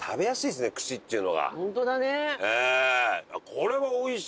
これは美味しい！